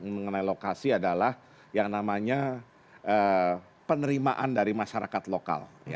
mengenai lokasi adalah yang namanya penerimaan dari masyarakat lokal